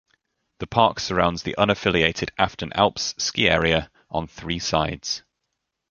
The park surrounds the unaffiliated Afton Alps ski area on three sides.